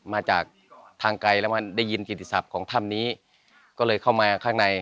มาจากทางไกลแล้วมาได้ยินกิติศัพท์ของถ้ำนี้ก็เลยเข้ามาข้างใน